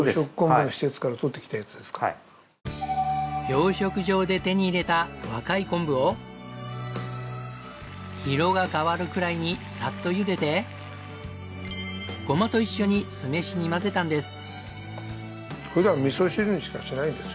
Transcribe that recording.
養殖場で手に入れた若い昆布を色が変わるくらいにサッとゆでてゴマと一緒に酢飯に混ぜたんです。